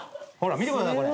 見てくださいこれ。